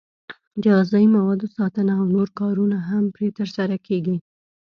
د غذایي موادو ساتنه او نور کارونه هم پرې ترسره کېږي.